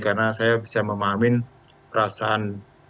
karena saya bisa memahamin perasaan